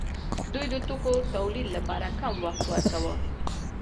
دوی د توکو تولید لپاره کم وخت ورکاوه.